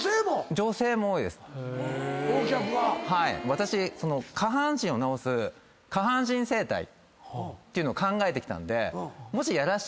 私その下半身を治す下半身整体っていうの考えてきたんで。